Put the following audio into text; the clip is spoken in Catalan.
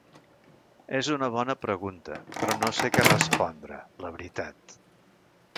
És una bona pregunta, però no sé què respondre, la veritat.